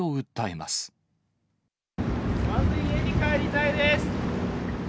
まず、家に帰りたいです。